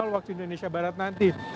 waktu indonesia barat nanti